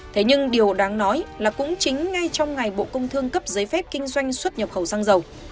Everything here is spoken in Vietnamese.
thế nhưng điều đáng nói là cũng chính ngay trong ngày bộ công thương cấp giấy phép kinh doanh xuất nhập khẩu xăng dầu